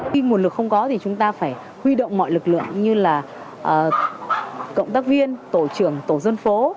khi nguồn lực không có thì chúng ta phải huy động mọi lực lượng như là cộng tác viên tổ trưởng tổ dân phố